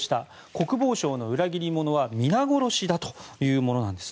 国防省の裏切り者は皆殺しだというものです。